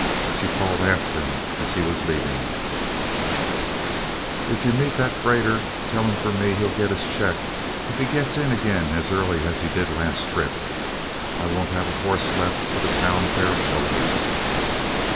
She called after him as he was leaving: "If you meet that freighter, tell him for me he'll get his check if he gets in again as early as he did last trip. I won't have a horse left with a sound pair of shoulders."